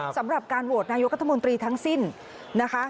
สำหรับการโหวตนายกรัฐมนตรีทั้งสิ้นนะคะ